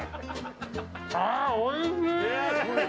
ああ、おいしい！